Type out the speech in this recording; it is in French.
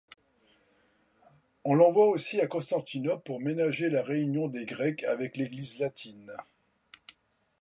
On l'envoie aussi à Constantinople pour ménager la réunion des grecs avec l'église latine.